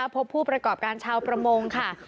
พบผู้ประกอบการชาวประมงค่ะ